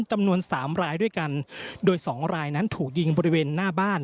จำนวนสามรายด้วยกันโดยสองรายนั้นถูกยิงบริเวณหน้าบ้าน